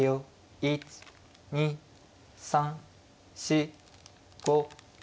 １２３４５。